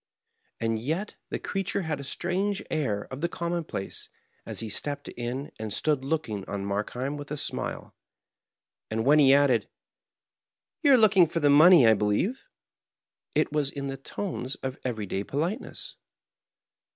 And yet the creature had a strange air of the com moDplace, as he stepped in and stood looking on Mark heim with a smile; and when he added: "Yon are looking for the money, I believe ?" it was in the tones of everyday politeness.